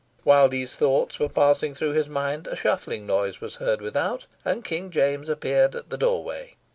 While these thoughts were passing through his mind, a shuffling noise was heard without, and King James appeared at the doorway.